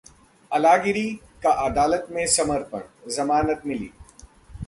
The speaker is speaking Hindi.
अलागिरि का अदालत में समर्पण, जमानत मिली